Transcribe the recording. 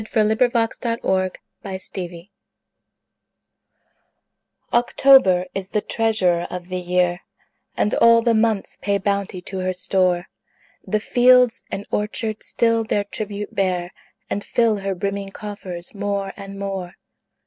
Paul Laurence Dunbar October OCTOBER is the treasurer of the year, And all the months pay bounty to her store: The fields and orchards still their tribute bear, And fill her brimming coffers more and more.